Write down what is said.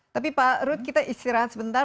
tapi pak rud kita istirahat sebentar